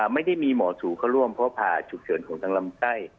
ไม่ได้มีหมอสูเข้าร่วมเพราะผ่าฉุกเฉินของทางลำไส้